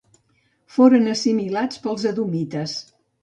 Foren assimilats pels edomites.